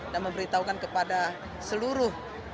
dan memberitahukan kepada seluruh